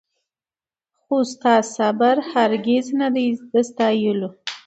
خو ستا صبر هرګز نه دی د ستایلو